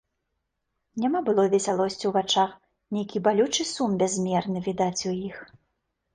Няма былой весялосці ў вачах, нейкі балючы сум бязмерны відаць у іх.